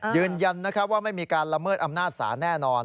ยืนยันว่าไม่มีการละเมิดอำนาจศาลแน่นอน